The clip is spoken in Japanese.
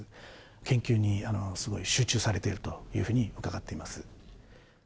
研究にすごい集中されているというふうに伺っています。